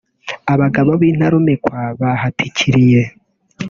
Abagabo b’intarumikwa bahatikiriye